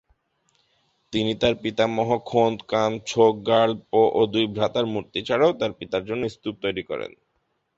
তিনি তার পিতামহ 'খোন-দ্কোন-ম্ছোগ-র্গ্যাল-পো ও দুই ভ্রাতার মূর্তি ছাড়াও তার পিতার জন্য স্তূপ তৈরী করেন।